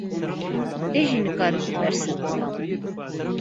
Te jî nikaribû bersiv bida!